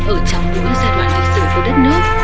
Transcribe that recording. ở trong đối gia đoàn lịch sử của đất nước